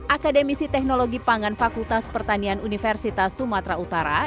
akademisi teknologi pangan fakultas pertanian universitas sumatera utara